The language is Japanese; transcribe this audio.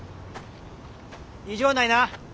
異常ないな。